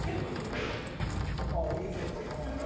ああいけそうやな。